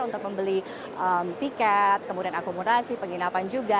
untuk membeli tiket kemudian akumulasi penginapan juga